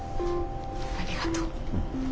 ありがと。